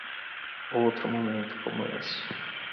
Outro momento como esse.